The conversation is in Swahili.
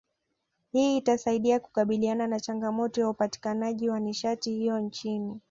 Hii itasaidia kukabiliana na changamoto ya upatikanaji wa nishati hiyo nchini